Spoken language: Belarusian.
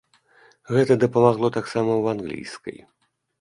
Гэта дапамагло таксама ў англійскай.